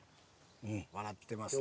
笑ってますね。